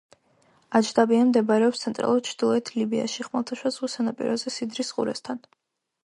აჯდაბია მდებარეობს ცენტრალურ ჩრდილოეთ ლიბიაში, ხმელთაშუა ზღვის სანაპიროზე, სიდრის ყურესთან.